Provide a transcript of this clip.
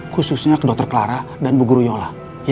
khususnya ke dokter clara dan bu guru yola